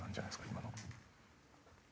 今の。